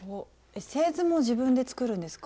製図も自分で作るんですか？